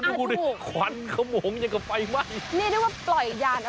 ตื่นเต้นมากเลยใช่ไหมคุณคณะ